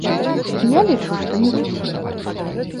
Я лічу, што не зусім.